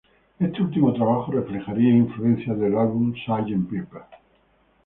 Este último trabajo, reflejaría influencias del álbum "Sgt.